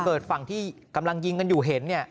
เกิดฝั่งที่กำลังยิงกันอยู่เห็นเนี่ย